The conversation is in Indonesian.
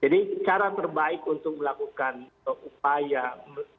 jadi cara terbaik untuk melakukan upaya perubahan